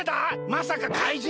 まさか怪人？